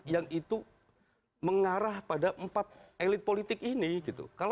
yang itu mengarah pada empat elit politik ini gitu